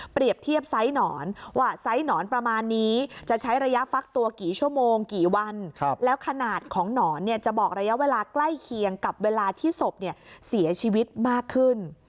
เทียบไซส์หนอนว่าไซส์หนอนประมาณนี้จะใช้ระยะฟักตัวกี่ชั่วโมงกี่วันแล้วขนาดของหนอนเนี่ยจะบอกระยะเวลาใกล้เคียงกับเวลาที่ศพเสียชีวิตมากขึ้น